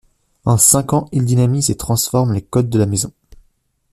En cinq ans, il dynamise et transforme les codes de la maison.